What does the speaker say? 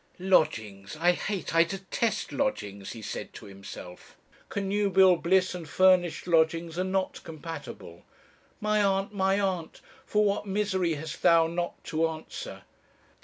"'Lodgings! I hate, I detest lodgings!' he said to himself. 'Connubial bliss and furnished lodgings are not compatible. My aunt, my aunt, for what misery hast thou not to answer!